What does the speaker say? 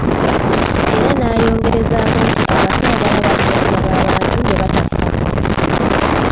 Era n'ayongerezaako nti abasawo baba bajjanjaba abantu ne batafa.